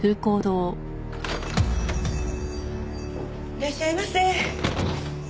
いらっしゃいませ。